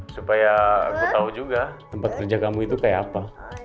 supaya aku tahu juga tempat kerja kamu itu kayak apa